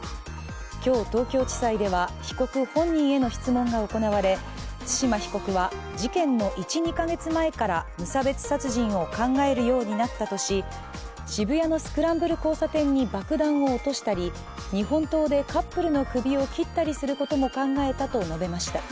今日、東京地裁では被告本人への質問が行われ対馬被告は事件の１２か月前から無差別殺人を考えるようになったとし、渋谷のスクランブル交差点に爆弾を落としたり、日本刀でカップルの首を切ったりすることも考えたと述べました。